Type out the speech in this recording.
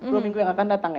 dua minggu yang akan datang ya